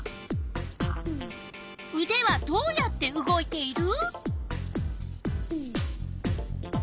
うではどうやって動いている？